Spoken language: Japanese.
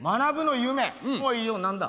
いいよ何だ？